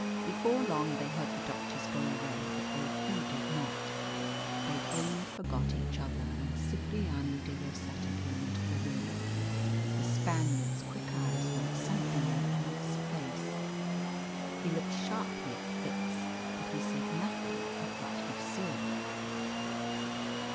Before long they heard the doctors go away, but they heeded not. They only forgot each other when Cipriani de Lloseta came into the room. The Spaniard's quick eyes read something in Eve's face. He looked sharply at Fitz, but he said nothing of what he saw.